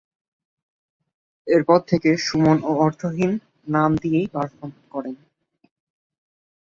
এরপর থেকে "সুমন ও অর্থহীন" নাম নিয়েই পারফর্ম করেন।